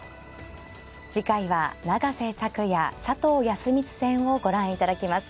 次回は永瀬拓矢佐藤康光戦をご覧いただきます。